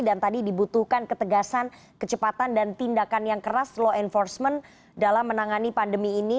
dan tadi dibutuhkan ketegasan kecepatan dan tindakan yang keras law enforcement dalam menangani pandemi ini